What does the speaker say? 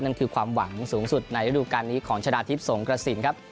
นั่นคือความหวังสูงสุดในฤดูการนี้ของชนะทิพย์สงกระสินครับ